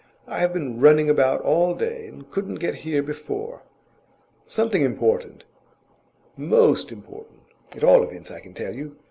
I have been running about all day, and couldn't get here before. Something important most important. At all events, I can tell you.